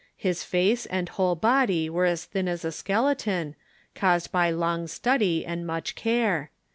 His face and whole body were as thin as a skeleton, caused by long study and much care.